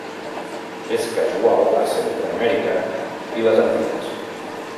És casual a Centreamèrica i les Antilles.